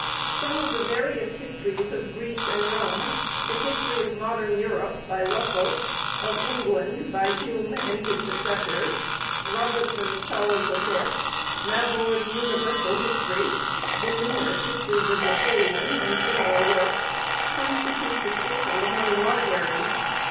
Some of the various histories of Greece and Rome ; the History of Modern Eu rope, by Russell ; of England, by Hume and his successors ; Robertson's Charles V. ; Mavor's Universal History ; the numerous Histories of Napo leon, and similar works, constitute the staple of many libraries.